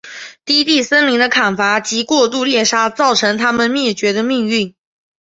低地森林的砍伐及过度猎杀造成它们灭绝的命运。